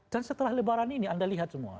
dan setelah lebaran ini anda lihat semua